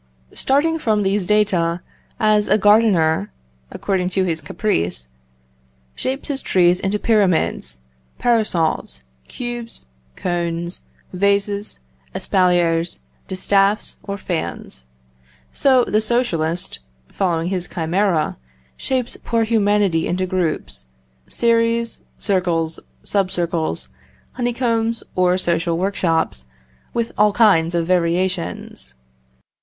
Starting from these data, as a gardener, according to his caprice, shapes his trees into pyramids, parasols, cubes, cones, vases, espaliers, distaffs, or fans; so the Socialist, following his chimera, shapes poor humanity into groups, series, circles, sub circles, honeycombs, or social workshops, with all kinds of variations.